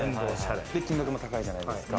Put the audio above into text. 金額も高いじゃないですか。